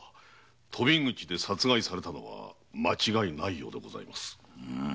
鳶口で殺害されたのは間違いないようでございます。